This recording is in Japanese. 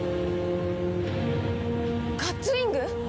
ガッツウイング！？